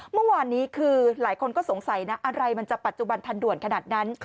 เมื่อวานนี้คือหลายคนก็สงสัยนะอะไรมันจะปัจจุบันทันด่วนขนาดนั้น